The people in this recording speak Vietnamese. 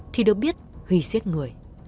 thì được biết huy xiết người